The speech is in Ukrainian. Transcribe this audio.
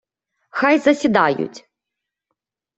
Хай засідають.